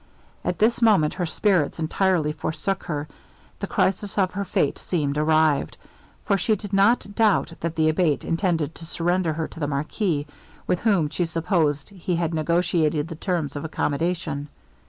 At this moment her spirits entirely forsook her; the crisis of her fate seemed arrived; for she did not doubt that the Abate intended to surrender her to the marquis, with whom she supposed he had negotiated the terms of accommodation.